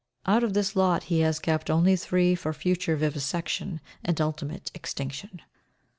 Out of this lot he has kept only three for future vivisection and ultimate extinction.